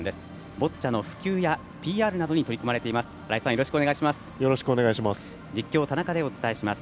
ボッチャの普及やＰＲなどに取り組まれています。